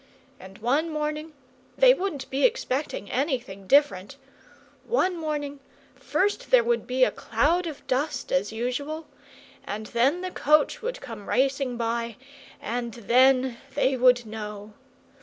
And one morning they wouldn't be expecting anything different one morning, first there would be a cloud of dust, as usual, and then the coach would come racing by, and THEN they would know!